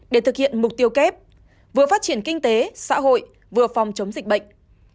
để thực hiện mục tiêu kép vừa phát triển kinh tế xã hội vừa phòng chống dịch bệnh